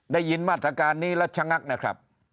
ได้ยินมาตรการนี้แล้วชะงักนะครับ